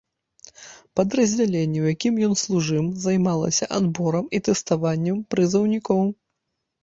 Падраздзяленне, у якім ён служыў, займалася адборам і тэставаннем прызыўнікоў.